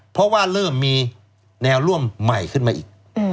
เพราะว่าเริ่มมีแนวร่วมใหม่ขึ้นมาอีก